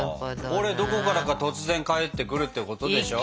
これどこからか突然帰ってくるってことでしょ？